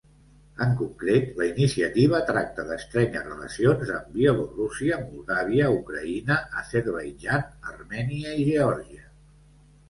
En concret la iniciativa tracta d'estrènyer relacions amb Bielorússia, Moldàvia, Ucraïna, Azerbaidjan, Armènia i Geòrgia.